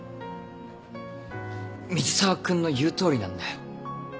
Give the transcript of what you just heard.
水沢君の言うとおりなんだよ。